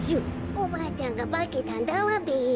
おばあちゃんがばけたんだわべ。